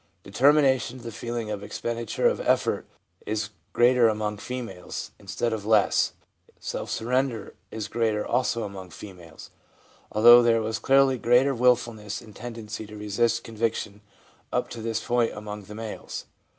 Determination, the feeling of expenditure of effort, is greater among females, instead of less; self surrender is greater also among females, although there was clearly greater wilfulness and ten dency to resist conviction up to this point among the males.